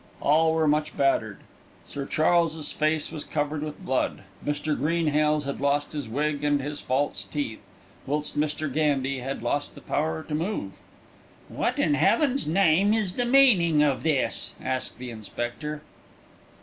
All were much battered. Sir Charles's face was covered with blood, Mr. Greenhales had lost his wig and his false teeth, whilst Mr. Gandy had lost the power to move. "What in heaven's name is the meaning of this?" asked the inspector.